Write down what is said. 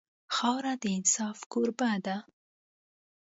خاوره د انصاف کوربه ده.